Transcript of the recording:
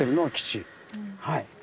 はい。